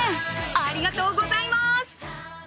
ありがとうございます！